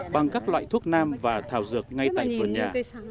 bằng các loại thuốc nam và thảo dược ngay tại vườn nhà